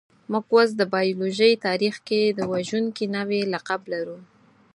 موږ اوس د بایولوژۍ تاریخ کې د وژونکي نوعې لقب لرو.